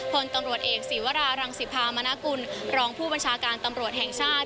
พลตำรวจเอกศีวรารังสิภามณกุลรองผู้บัญชาการตำรวจแห่งชาติ